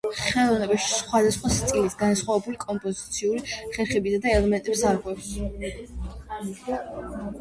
ხელოვნებაში სხვადასხვა სტილის, განსხვავებული კომპოზიციური ხერხებისა და ელემენტების აღრევა.